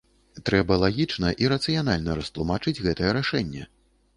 Трэба лагічна і рацыянальна растлумачыць гэтае рашэнне.